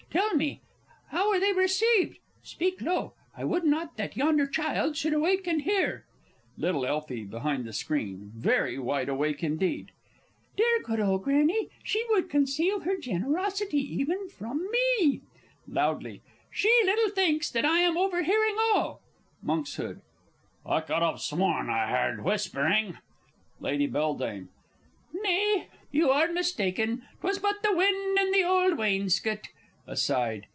_ Tell me how were they received? Speak low I would not that yonder child should awake and hear! Little Elfie (behind the screen, very wide awake indeed). Dear, good old Grannie she would conceal her generosity even from me! (Loudly.) She little thinks that I am overhearing all! Monks. I could have sworn I heard whispering. Lady B. Nay, you are mistaken 'twas but the wind in the old wainscot. (_Aside.